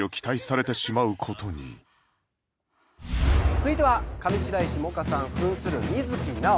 続いては上白石萌歌さん扮する水木直央。